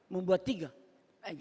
membuat tiga engine